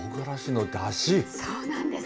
そうなんです。